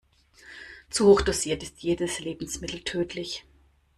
Zu hoch dosiert ist jedes Lebensmittel tödlich.